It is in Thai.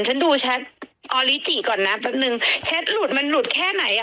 ฉันดูแชทออริจิก่อนนะแป๊บนึงแชทหลุดมันหลุดแค่ไหนอ่ะ